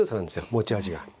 持ち味が。